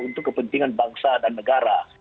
untuk kepentingan bangsa dan negara